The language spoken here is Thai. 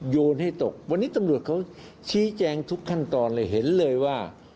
โยนให้ตกวันนี้ตำรวจเขาชี้แจงทุกขั้นตอนเลยเห็นเลยว่า